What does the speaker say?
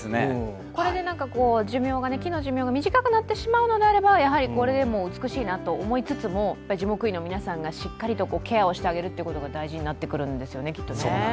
これで気の寿命が短くなってしまうのであればこれでも美しいなと思いつつも樹木医の皆さんがしっかりとケアしてあげることが大事になってくるんでしょうね。